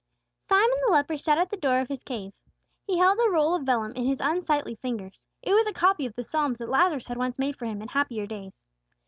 SIMON the leper sat at the door of his cave. He held a roll of vellum in his unsightly fingers; it was a copy of the Psalms that Lazarus had once made for him in happier days.